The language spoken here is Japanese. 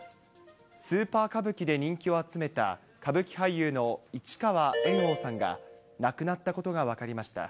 スーパー歌舞伎で人気を集めた、歌舞伎俳優の市川猿翁さんが亡くなったことが分かりました。